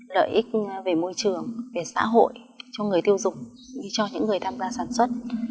lợi ích về môi trường xã hội cho người tiêu dụng cho những người tham gia sản xuất